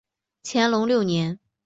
乾隆六年。